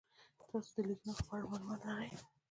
تاسې د لیک نښو په اړه معلومات لرئ؟